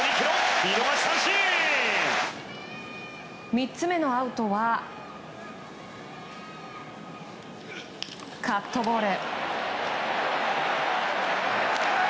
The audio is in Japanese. ３つ目のアウトはカットボール。